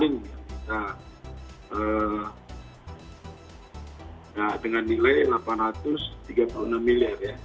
dengan nilai rp delapan ratus tiga puluh enam miliar